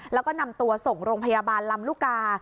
แล้วก็นำตัวส่งโรงพยาบาลลำลูกกา